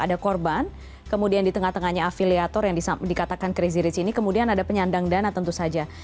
ada korban kemudian di tengah tengahnya afiliator yang dikatakan crazy rizky ini kemudian ada penyandang dana tentu saja